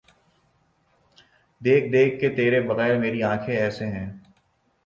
دیکھ دیکھ کہ تیرے بغیر میری آنکھیں ایسے ہیں۔